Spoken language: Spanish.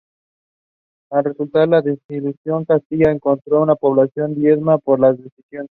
A resultas de la desilusión, Castilla encontró una población diezmada por las deserciones.